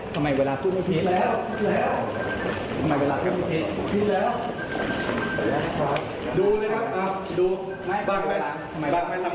ทำเรื่องที่คุณ